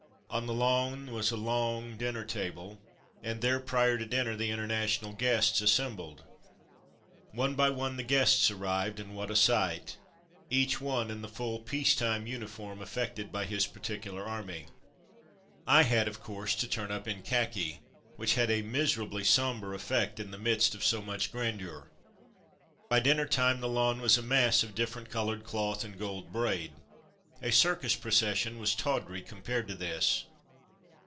On the lawn was a long dinner table, and there, prior to dinner, the International guests assembled. One by one the guests arrived, and what a sight! Each one in the full peace time uniform affected by his particular army. I had, of course, to turn up in khaki which had a miserably sombre effect in the midst of so much grandeur. By dinner time the lawn was a mass of different coloured cloth and gold braid. A circus procession was tawdry compared to this.